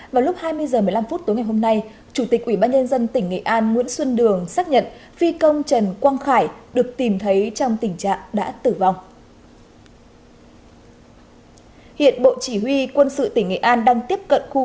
vào lúc hai mươi h một mươi năm phút tối ngày hôm nay chủ tịch ủy ban nhân dân tỉnh nghệ an nguyễn xuân đường xác nhận phi công trần quang khải được tìm thấy trong tình trạng đã tử vong